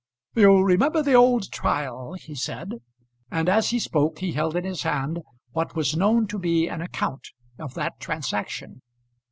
"You remember the old trial," he said; and as he spoke he held in his hand what was known to be an account of that transaction.